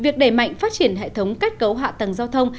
việc đẩy mạnh phát triển hệ thống kết cấu hạ tầng giao thông